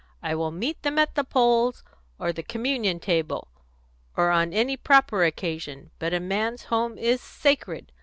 I will meet them at the polls, or the communion table, or on any proper occasion; but a man's home is sacred.